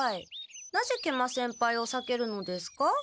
なぜ食満先輩をさけるのですか？